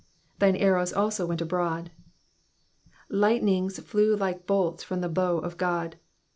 '''Thine arrows aho went abroad,'*'' Lightnings flew like bolls from the bow of God.